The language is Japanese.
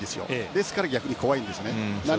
ですから逆に怖いんです。